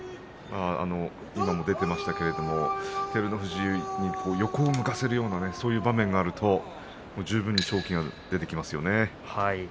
今も出ていましたが照ノ富士に横を向かせるようなそういう場面があると十分に勝機が出てきますね。